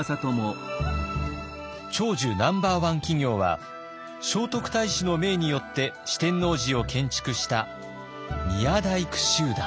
長寿ナンバーワン企業は聖徳太子の命によって四天王寺を建築した宮大工集団。